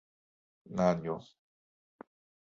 Knanjo...